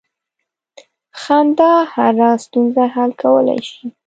• خندا هره ستونزه حل کولی شي.